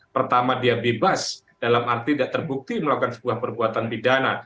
pertama dia bebas dalam arti tidak terbukti melakukan sebuah perbuatan pidana